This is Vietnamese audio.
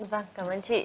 vâng cảm ơn chị